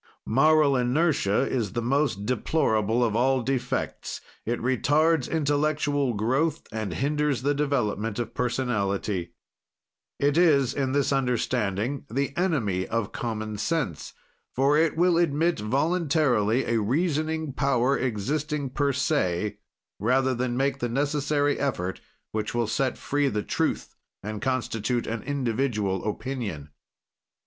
"Moral inertia is the most deplorable of all defects; it retards intellectual growth and hinders the development of personality. "It is, in this understanding, the enemy of common sense, for it will admit voluntarily a reasoning power, existing per se, rather than make the necessary effort which will set free the truth and constitute an individual opinion.